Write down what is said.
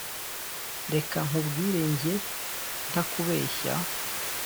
reka nkubwire jye ntakubeshya